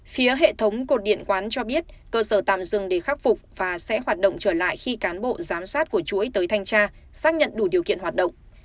phía hệ thống cột điện quán cho biết cơ sở tạm dừng để khắc phục và sẽ hoạt động trở lại khi cán bộ giám sát của chuỗi tới thanh tra xác nhận đủ điều kiện hoạt động